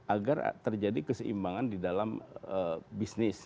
agar terjadi keseimbangan di dalam bisnis